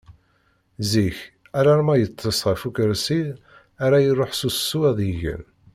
Zik alarma yeṭṭeṣ ɣef ukersi ara iruḥ s usu ad igen.